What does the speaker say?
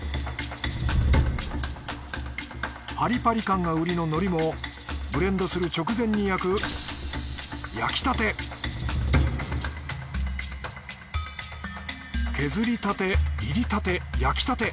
パリパリ感が売りの海苔もブレンドする直前に焼く削りたて煎りたて焼きたて。